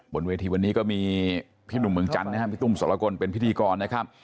บนเวทีวันนี้ก็มีพี่หนุ่มเมืองจันทร์นะครับพี่ตุ้มสรกลเป็นพิธีกรนะครับ